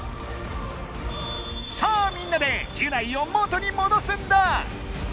さあみんなでギュナイを元にもどすんだ！